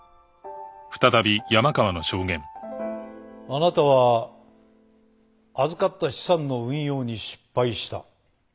あなたは預かった資産の運用に失敗した。